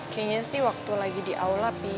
kayaknya sih waktu lagi di aula